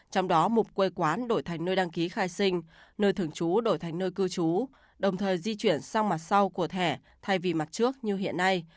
trong đó mục quê quán đổi thành nơi đăng ký khai sinh nơi thường trú đổi thành nơi cư trú đồng thời di chuyển sang mặt sau của thẻ thay vì mặt trước như hiện nay